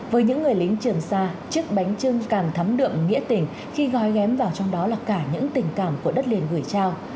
với những người lính trường xa chiếc bánh trưng càng thấm đượm nghĩa tình khi gói ghém vào trong đó là cả những tình cảm của đất liền gửi trao